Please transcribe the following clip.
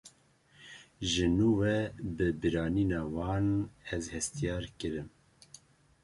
Ji nû ve bibîranîna wan, ez hestyar kirim